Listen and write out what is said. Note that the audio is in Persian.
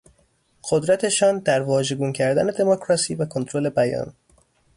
قدرتشان در واژگون کردن دموکراسی و کنترل بیان